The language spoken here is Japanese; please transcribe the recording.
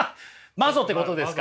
マゾってことですか。